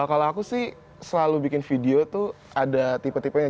kalau aku sih selalu bikin video tuh ada tipe tipenya